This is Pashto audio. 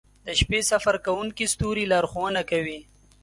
• د شپې سفر کوونکي ستوري لارښونه کوي.